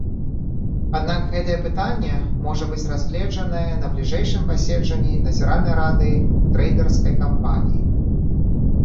Аднак гэтае пытанне можа быць разгледжанае на бліжэйшым паседжанні назіральнай рады трэйдэрскай кампаніі.